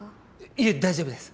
いえ大丈夫です。